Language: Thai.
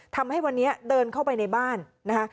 ทำให้วันนี้เดินเข้าไปในบ้านนะคะ